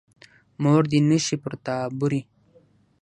مور دې نه شي پر تا بورې.